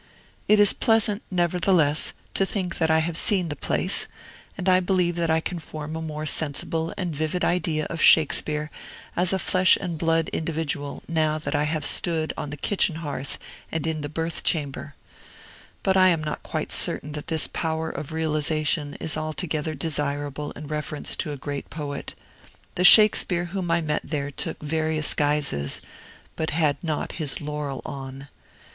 It is pleasant, nevertheless, to think that I have seen the place; and I believe that I can form a more sensible and vivid idea of Shakespeare as a flesh and blood individual now that I have stood on the kitchen hearth and in the birth chamber; but I am not quite certain that this power of realization is altogether desirable in reference to a great poet. The Shakespeare whom I met there took various guises, but had not his laurel on.